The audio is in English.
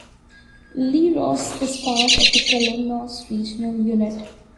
Leros is part of the Kalymnos regional unit.